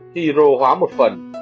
thì rô hóa một phần